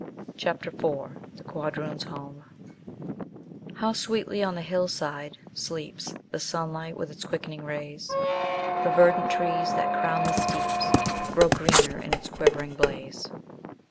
CHAPTER IV THE QUADROON'S HOME "How sweetly on the hill side sleeps The sunlight with its quickening rays! The verdant trees that crown the steeps, Grow greener in its quivering blaze."